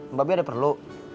mbak bi ada perlu